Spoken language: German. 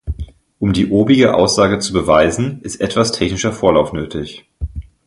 Um die obige Aussage zu beweisen, ist etwas technischer Vorlauf nötig.